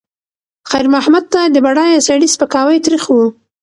خیر محمد ته د بډایه سړي سپکاوی تریخ و.